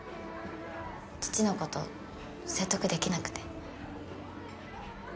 父のこと説得できなくて。